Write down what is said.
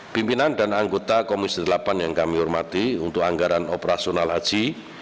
pimpinan dan anggota komisi delapan yang kami hormati untuk anggaran operasional haji